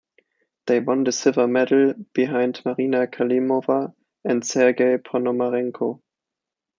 They won the silver medal behind Marina Klimova and Sergei Ponomarenko.